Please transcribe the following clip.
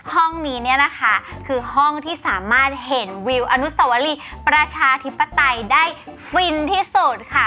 ห้องนี้เนี่ยนะคะคือห้องที่สามารถเห็นวิวอนุสวรีประชาธิปไตยได้ฟินที่สุดค่ะ